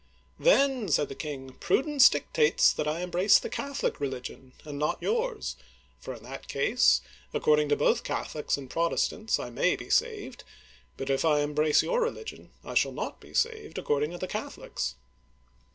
" Then," said the king, " prudence, dictates that I em brace the Catholic religion, and not yours, for in that case, according to both Catholics and Protestants, I may be saved ; but if I embrace your religion, I shall not be saved according to the Catholics."